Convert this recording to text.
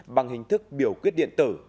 bằng hình thức biểu quyết điện tử